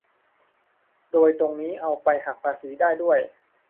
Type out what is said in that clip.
โดยตรงนี้เอาไปหักภาษีได้ด้วย